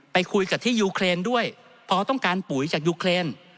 ไปคุยกับที่ยูเครนด้วยเพราะต้องการปุ๋ยจากยูเครน